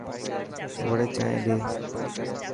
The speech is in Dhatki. وڙي چائن ڏي.